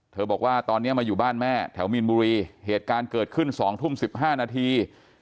บอกว่าตอนนี้มาอยู่บ้านแม่แถวมีนบุรีเหตุการณ์เกิดขึ้น๒ทุ่ม๑๕นาที